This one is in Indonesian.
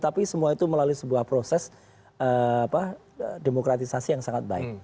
tapi semua itu melalui sebuah proses demokratisasi yang sangat baik